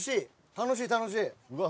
楽しい楽しい。